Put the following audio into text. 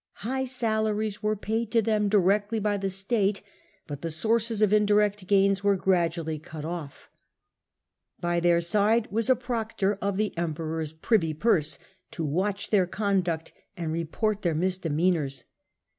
High salaries were paid to them directly by the state, but the sources of indirect gains were gradu ally cut off By their side was a proctor of the Emperor's privy purse, to watch their conduct and report their mis demeanours.